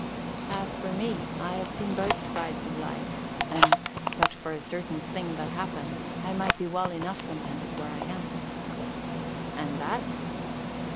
"As for me, I have seen both sides of life; and, but for a certain thing that happened, I might be well enough contented where I am." "And that?"